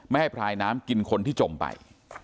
ให้พลายน้ำกินคนที่จมไป